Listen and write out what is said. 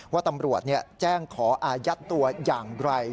ว่าตำรวจแจ้งขออายัดตัวอย่างไร